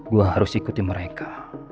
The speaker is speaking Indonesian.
gua harus ikuti mereka